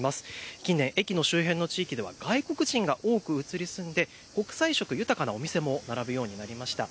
近年、駅の周辺の地域では外国人が多く移り住んで国際色豊かなお店も並ぶようになりました。